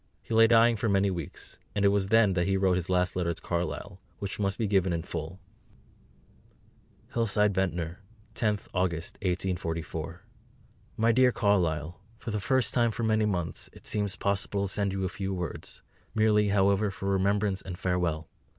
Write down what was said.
He lay dying for many weeks, and it was then that he wrote his last letter to Carlyle, which must be given in full: HILLSIDE, VENTNOR, 10th August 1844. MY DEAR CARLYLE, For the first time for many months it seems possible to send you a few words; merely, however, for Remembrance and Farewell.